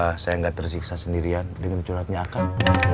karena saya nggak tersiksa sendirian dengan curhatnya akan